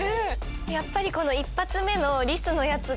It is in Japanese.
やっぱりこの１発目のリスのやつが。